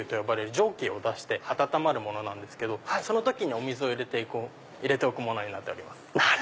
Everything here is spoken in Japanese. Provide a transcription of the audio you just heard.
蒸気を出して温まるものなんですけどその時にお水を入れておくものになってます。